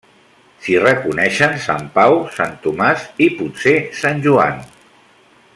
S'hi reconeixen Sant Pau, Sant Tomàs i potser Sant Joan.